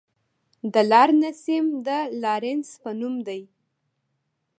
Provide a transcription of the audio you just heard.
د لارنسیم د لارنس په نوم دی.